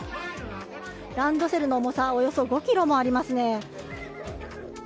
ランドセルの重さおよそ５ｋｇもありますね。